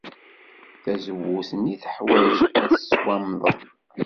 Tazewwut-nni teḥwaj ad tettwamdel.